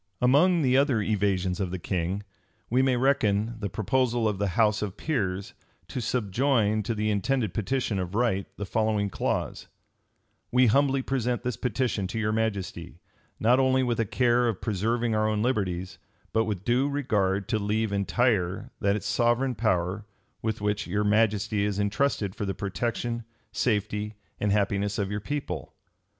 Among the other evasions of the king, we may reckon the proposal of the house of peers, to subjoin to the intended petition of right the following clause: "We humbly present this petition to your majesty, not only with a care of preserving our own liberties, but with due regard to leave entire that sovereign power with which your majesty is intrusted for the protection, safety, and happiness of your people."